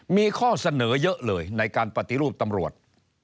มีข้อเสนอเยอะเลยในการปฏิรูปตำรวจ